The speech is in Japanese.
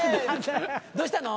どうしたの？